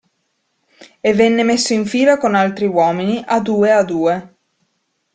E venne messo in fila con altri uomini, a due a due.